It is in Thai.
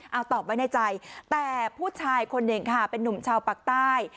เอาตอบไว้ในใจแต่ผู้ชายคนหนึ่งค่ะเป็นนุ่มชาวปากใต้